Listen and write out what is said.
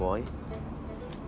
info kegiatan boy